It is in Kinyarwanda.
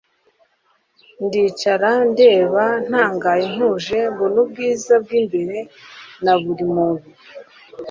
ndicara ndeba ntangaye ntuje, mbona ubwiza bw'imbere na buri muntu